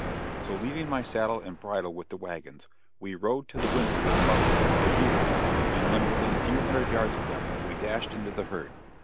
So, leaving my saddle and bridle with the wagons, we rode to the windward of the buffaloes, as usual, and when within a few hundred yards of them we dashed into the herd.